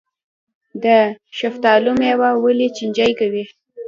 د شفتالو میوه ولې چینجي کوي؟